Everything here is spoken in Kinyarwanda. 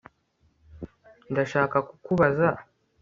Ndashaka kukubaza